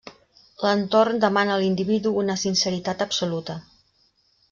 L’entorn demana a l’individu una sinceritat absoluta.